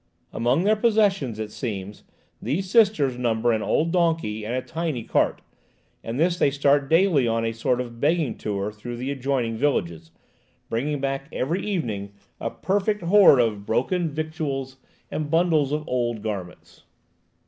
Among their possessions, it seems, these Sisters number an old donkey and a tiny cart, and this they start daily on a sort of begging tour through the adjoining villages, bringing back every evening a perfect hoard of broken victuals and bundles of old garments.